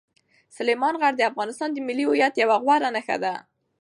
سلیمان غر د افغانستان د ملي هویت یوه غوره نښه ده.